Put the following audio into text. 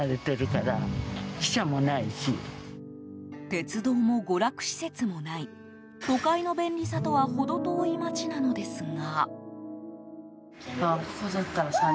鉄道も娯楽施設もない都会の便利さとは程遠い町なのですが。